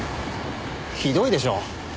ひどいでしょ？